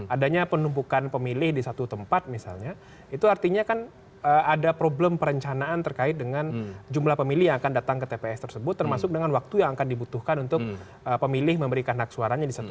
adanya penumpukan pemilih di satu tempat misalnya itu artinya kan ada problem perencanaan terkait dengan jumlah pemilih yang akan datang ke tps tersebut termasuk dengan waktu yang akan dibutuhkan untuk pemilih memberikan hak suaranya di satu titik